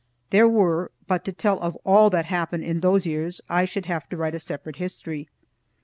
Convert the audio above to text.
There were but to tell of all that happened in those years I should have to write a separate history.